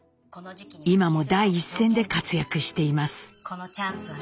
今も第一線で活躍しています。